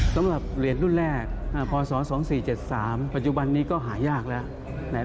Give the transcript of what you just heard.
สำหรับเหรียญรุ่นแรกพศ๒๔๗๓ปัจจุบันนี้ก็หายากแล้ว